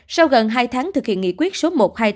sau gần hai tháng thực hiện nghị quyết số một trăm hai mươi năm